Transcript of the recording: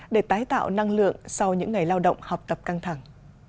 để tái tạo năng lượng sau những ngày lao động học tập căng thẳng